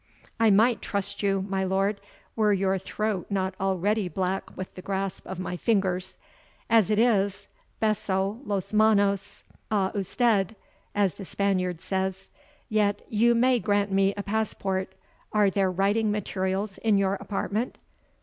"I might trust you, my lord, were your throat not already black with the grasp of my fingers as it is, BESO LOS MANOS A USTED, as the Spaniard says. Yet you may grant me a passport; are there writing materials in your apartment?"